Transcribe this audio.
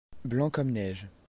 Blanc comme neige.